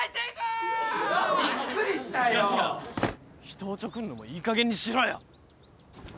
人をおちょくんのもいいかげんにしろよ！